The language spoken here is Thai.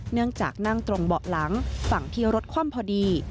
นั่งจากนั่งตรงเบาะหลังฝั่งที่รถคว่ำพอดี